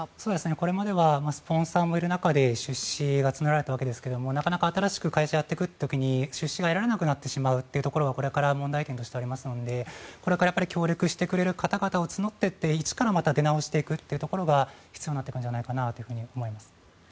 これまではスポンサーもいる中で出資が募られたわけですがなかなか新しく会社をやっていく時に出資が得られなくなってしまうというのがこれから問題点としてありますのでこれから協力してくれる方々を募ってって一からまた出直していくということが必要なのかなと思います。